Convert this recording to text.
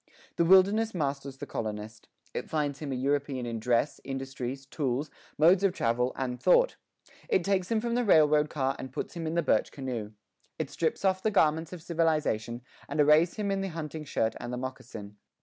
The wilderness masters the colonist. It finds him a European in dress, industries, tools, modes of travel, and thought. It takes him from the railroad car and puts him in the birch canoe. It strips off the garments of civilization and arrays him in the hunting shirt and the moccasin.